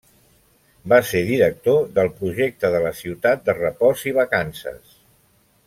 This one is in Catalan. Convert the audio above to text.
Va ser director del projecte de la Ciutat de Repòs i Vacances.